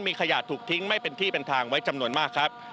มีขยะถูกทิ้งไม่เป็นที่เป็นทางไว้จำนวนมากครับ